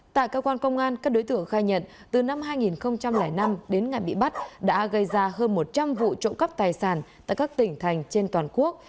tại cơ quan công an các đối tượng khai nhận từ năm hai nghìn năm đến ngày bị bắt đã gây ra hơn một trăm linh vụ trộm cắp tài sản tại các tỉnh thành trên toàn quốc